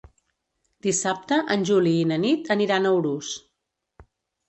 Dissabte en Juli i na Nit aniran a Urús.